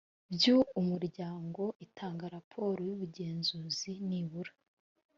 byu umuryango itanga raporo y ubugenzuzi nibura